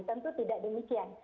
tentu tidak demikian